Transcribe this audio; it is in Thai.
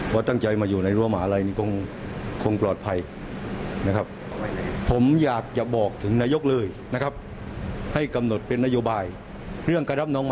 คนสุริยไปรอยชาร์จอย่างผลตื่น